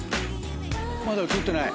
まだ映ってない？